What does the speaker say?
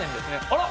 あら！